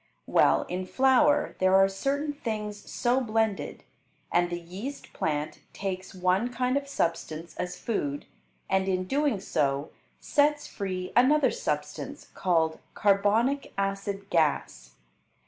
Well, in flour there are certain things so blended, and the yeast plant takes one kind of substance as food, and in doing so sets free another substance called carbonic acid gas.